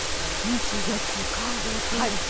日、月、火要注意ですね。